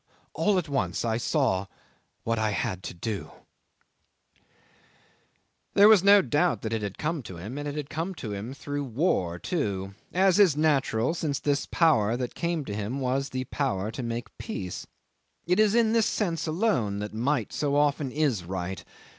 "All at once I saw what I had to do ..." 'There was no doubt that it had come to him; and it had come through war, too, as is natural, since this power that came to him was the power to make peace. It is in this sense alone that might so often is right.